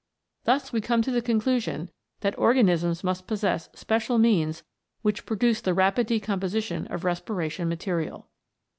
Thus we come to the conclusion that organisms must possess special means which produce the rapid decomposition of respiration material.